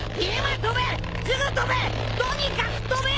とにかく飛べよ！